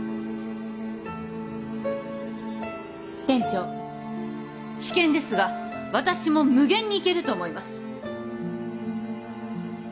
店長私見ですが私も無限にいけると思います